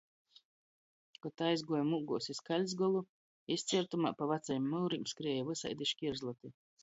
Kod aizguojom ūguos iz Kaļtsgolu, izciertumā pa vacajim myurim skrēja vysaidi škierzloti.